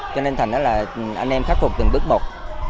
cho nên thành đó là anh em khắc phục từng bước một